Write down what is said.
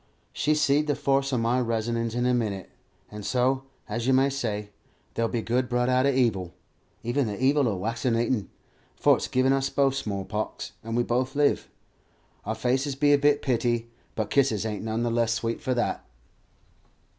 "She seed the force o' my reasonin's in a minute, and so, as you may say, 'there'll be good brought out o' evil,' even the evil o' waccinatin'; for it's give us both small pox, and we both live. Our faces be a bit pitty, but kisses ain't none the less sweet for that."